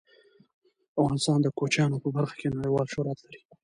افغانستان د کوچیانو په برخه کې نړیوال شهرت لري.